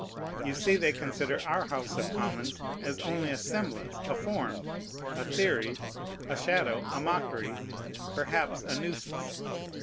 You see they consider our House of Commons as only "a semblance," "a form," "a theory," "a shadow," "a mockery," perhaps "a nuisance."